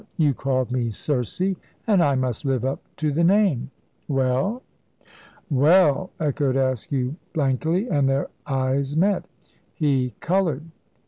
You called me Circe, and I must live up to the name. Well?" "Well!" echoed Askew, blankly, and their eyes met. He coloured.